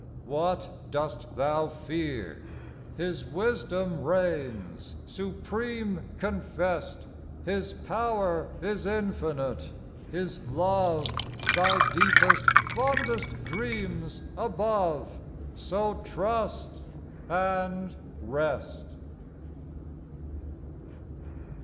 What dost thou fear ? His wisdom reigns Supreme confessed ; His power is infinite : His love Thy deepest, fondest dreams above :— So Trust and Rest.